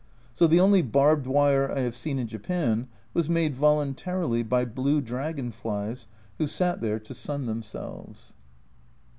So the only " barbed wire" I have seen in Japan was made voluntarily by blue dragon flies who sat there to sun themselves.